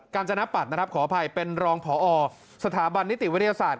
การจนปัดนะครับขออภัยเป็นรองพอสถาบันนิติวิทยาศาสตร์